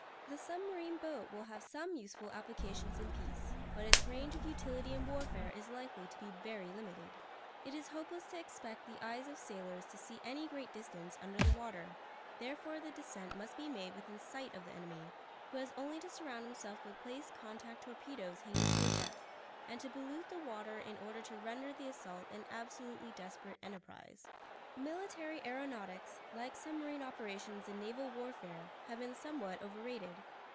The submarine boat will have some useful applications in peace; but its range of utility in warfare is likely to be very limited. It is hopeless to expect the eyes of sailors to see any great distance under the water; therefore the descent must be made within sight of the enemy, who has only to surround himself with placed contact torpedoes hanging to a depth, and to pollute the water in order to render the assault an absolutely desperate enterprise. Military aeronautics, like submarine operations in naval warfare, have been somewhat overrated.